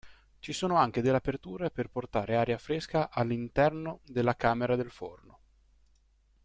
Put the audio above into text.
Ci sono anche delle aperture per portare aria fresca all'interno della camera del forno.